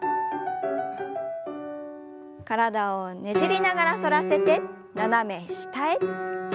体をねじりながら反らせて斜め下へ。